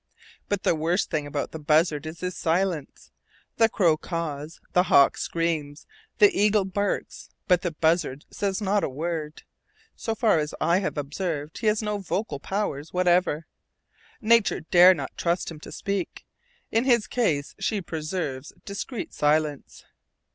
But the worst thing about the buzzard is his silence. The crow caws, the hawk screams, the eagle barks, but the buzzard says not a word. So far as I have observed, he has no vocal powers whatever. Nature dare not trust him to speak. In his case she preserves discreet silence.